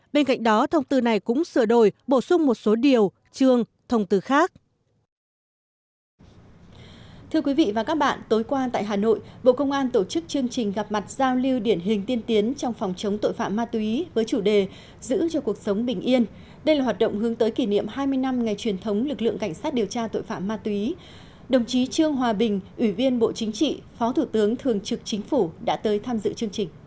bên cạnh đó thông tư này cũng sửa đổi bổ sung một số điều chương thông tư khác